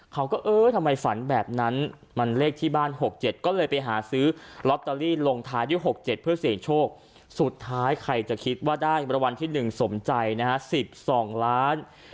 เขาก็เออทำไมฝันแบบนั้นมันเลขที่บ้านหกเจ็ดก็เลยไปหาซื้อล็อตเตอรี่ลงท้ายที่หกเจ็ดเพื่อเสียงโชคสุดท้ายใครจะคิดว่าได้ประวัติที่หนึ่งสมใจนะฮะสิบสองล้าน